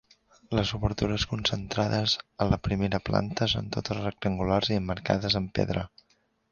Les obertures concentrades a la primera planta són totes rectangulars i emmarcades en pedra.